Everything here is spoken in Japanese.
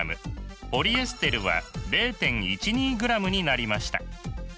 ポリエステルは０．１２ｇになりました。